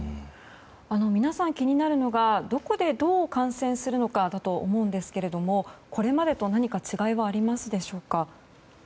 皆さん、気になるのがどこでどう感染するのかだと思いますがこれまでと何か違いはありますでしょうか。